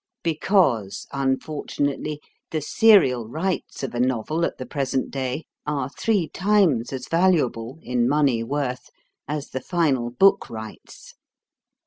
Because, unfortunately, the serial rights of a novel at the present day are three times as valuable, in money worth, as the final book rights.